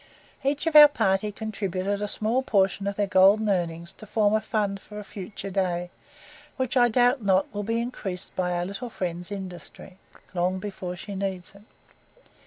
Each of our party contributed a small portion of their golden earnings to form a fund for a future day, which I doubt not will be increased by our little friend's industry, long before she needs it.